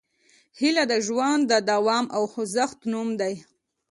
هیله د ژوند د دوام او خوځښت نوم دی.